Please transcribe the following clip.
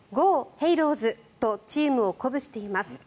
ヘイローズ！とチームを鼓舞しています。